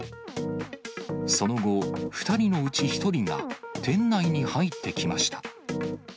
その後、２人のうち１人が店内に入ってきました。